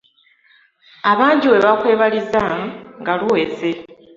Abangi we bakwebaliza nga luweze.